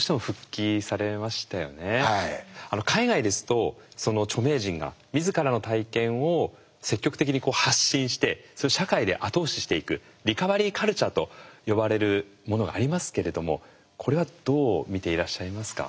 海外ですとその著名人が自らの体験を積極的に発信してそれを社会で後押ししていく「リカバリーカルチャー」と呼ばれるものがありますけれどもこれはどう見ていらっしゃいますか。